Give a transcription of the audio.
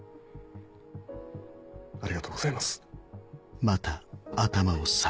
ありがとうございます。